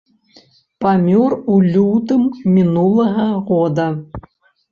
Памёр у лютым мінулага года.